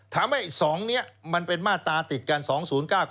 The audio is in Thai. ทำให้สองเนี้ยมันเป็นมาตราติดกัน๒๐๙กับ๒๑๐